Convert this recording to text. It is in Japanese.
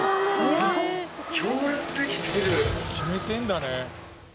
決めてるんだね。